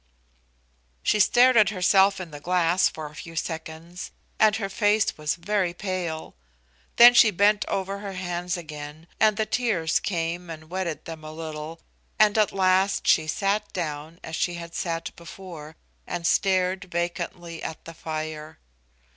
She stared at herself in the glass for a few seconds, and her face was very pale. Then she bent over her hands again, and the tears came and wetted them a little, and at last she sat down as she had sat before, and stared vacantly at the fire.